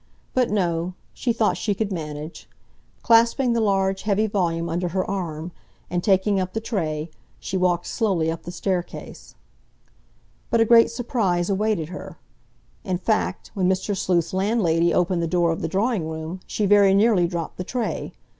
But, no, she thought she could manage; clasping the large, heavy volume under her arm, and taking up the tray, she walked slowly up the staircase. But a great surprise awaited her; in fact, when Mr. Sleuth's landlady opened the door of the drawing room she very nearly dropped the tray.